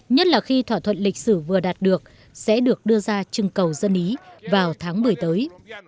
nhất là khi thỏa thuận lịch sử vừa đạt được sẽ được đưa ra chưng cầu dân ý vào tháng một mươi tới